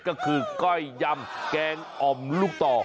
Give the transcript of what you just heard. ก็คือก้อยยำแกงอ่อมลูกต่อ